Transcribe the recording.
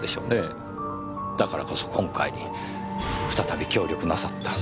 だからこそ今回再び協力なさった。